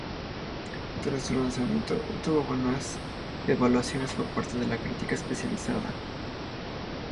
Tras su lanzamiento, obtuvo buenas evaluaciones por parte de la crítica especializada.